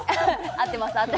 合ってます